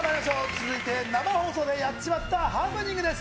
続いて生放送でやっちまったハプニングです。